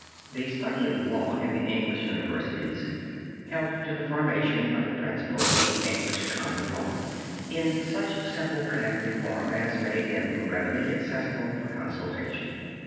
The study of law in the English universities helped to the formulation of the principles of the English Common Law in such simple connected form as made them readily accessible for consultation.